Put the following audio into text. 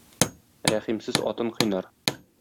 Рәхимсез атын кыйнар.